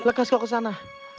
lekas kau kesana